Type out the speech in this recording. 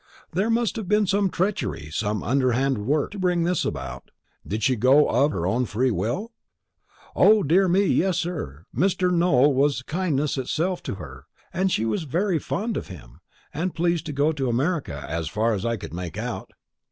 "There must have been some treachery, some underhand work, to bring this about. Did she go of her own free will?" "O, dear me, yes, sir. Mr. Nowell was kindness itself to her, and she was very fond of him, and pleased to go to America, as far as I could make out."